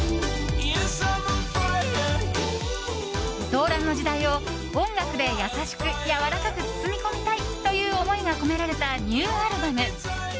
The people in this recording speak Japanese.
動乱の時代を音楽で優しく、やわらかく包み込みたいという思いが込められたニューアルバム。